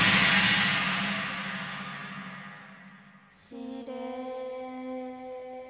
しれ。